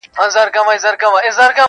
مار ژوندی ورڅخه ولاړی گړندی سو-